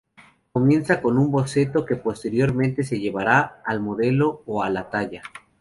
Comienza con un boceto que posteriormente se llevará al modelado o la talla.